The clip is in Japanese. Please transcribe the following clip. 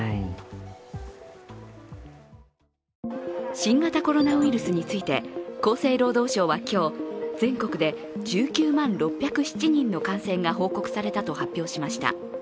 新型コロナウイルスについて、厚生労働省は今日、全国で１９万６０７人の感染が報告されたと発表しました。